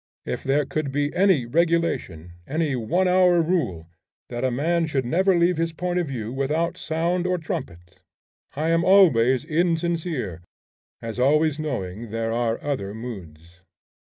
if there could be any regulation, any 'one hour rule,' that a man should never leave his point of view without sound of trumpet. I am always insincere, as always knowing there are other moods.